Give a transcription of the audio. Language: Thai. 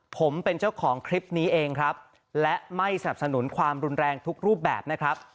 ผมเป็นเจ้าของคลิปนี้เองครับและไม่สนับสนุนความรุนแรงทุกรูปแบบนะครับ